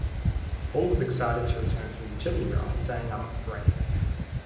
Hall was excited to return to a utility role, saying I'm up for anything.